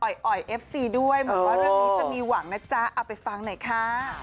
อ่อยเอฟซีด้วยเหมือนว่าเรื่องนี้จะมีหวังนะจ๊ะเอาไปฟังหน่อยค่ะ